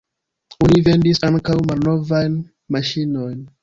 Oni vendis ankaŭ malnovajn maŝinojn.